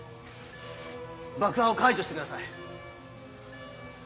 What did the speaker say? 爆破を解除してください。